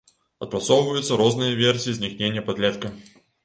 Адпрацоўваюцца розныя версіі знікнення падлетка.